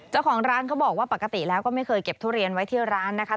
เจ้าของร้านเขาบอกว่าปกติแล้วก็ไม่เคยเก็บทุเรียนไว้ที่ร้านนะคะ